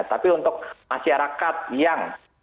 tapi untuk masyarakat yang